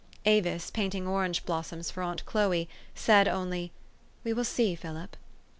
Avis, painting orange blossoms for aunt Chloe, said only, " We will see, Philip.